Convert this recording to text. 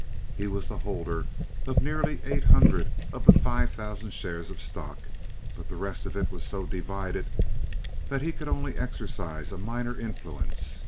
He was the holder of nearly eight hundred of the five thousand shares of stock; but the rest of it was so divided that he could only exercise a minor influence.